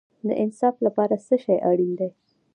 د انصاف لپاره څه شی اړین دی؟